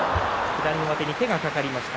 左の前に手がかかりました。